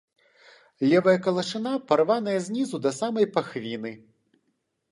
Левая калашына парваная знізу да самай пахвіны.